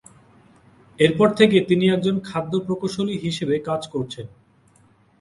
তারপর থেকে তিনি একজন খাদ্য প্রকৌশলী হিসাবে কাজ করেছেন।